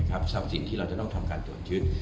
สำหรับสิ่งที่เราจะต้องทำการตรวจชึด